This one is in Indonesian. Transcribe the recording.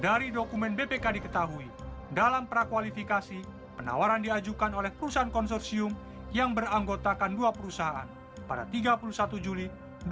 dari dokumen bpk diketahui dalam prakualifikasi penawaran diajukan oleh perusahaan konsorsium yang beranggotakan dua perusahaan pada tiga puluh satu juli dua ribu dua puluh